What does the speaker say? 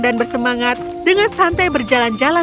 dan bersemangat dengan santai berjalan jalan